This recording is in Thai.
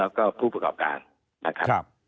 แล้วก็ผู้ประกอบการนะครับ